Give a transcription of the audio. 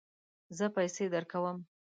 زه پیسې درکوم